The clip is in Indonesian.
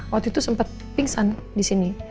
waktu itu sempat pingsan di sini